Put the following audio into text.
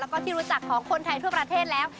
แล้วก็ที่รู้จักของคนไทยทั่วประเทศแล้ว